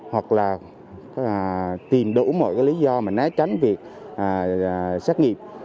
hoặc là tìm đủ mọi lý do mà né tránh việc xét nghiệm